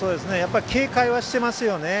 警戒はしてますよね。